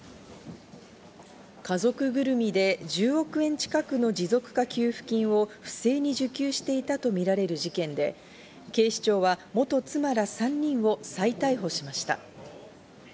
家族ぐるみで１０億円近くの持続化給付金を不正に受給していたとみられる事件で、警視庁は元妻ら３人を再逮捕しました。